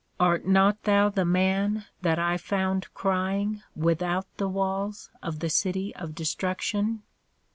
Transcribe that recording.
Art not thou the man that I found crying without the walls of the City of Destruction?